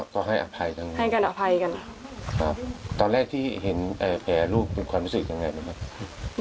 ก็ให้อภัยกันให้กันอภัยกันครับตอนแรกที่เห็นแผลลูกเป็นความรู้สึกยังไง